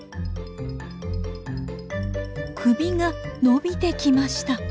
首が伸びてきました！